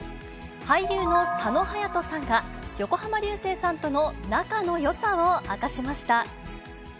俳優の佐野勇斗さんが、横浜流星さんとの仲のよさを明かしました。